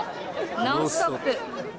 「ノンストップ！」。